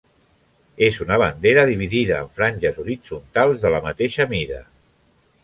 És una bandera dividida en franges horitzontals de la mateixa mida.